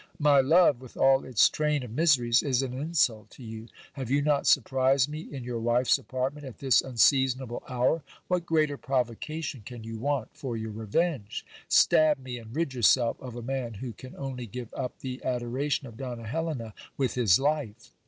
My love, with all its train of miseries, is an insult to you. Have you not surprised me in your wife's apartment at this unseasonable hour? what greater provoca tion can you want for your revenge ? Stab me, and rid yourself of a man, who can only give up the adoration of Donna Helena with his life.